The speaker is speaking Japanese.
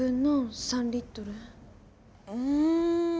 うん。